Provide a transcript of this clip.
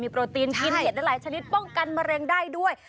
โปรตีนกินเห็ดหลายชนิดป้องกันมะเร็งได้ด้วย